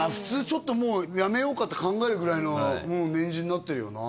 ちょっともうやめようかって考えるぐらいのうん年次になってるよな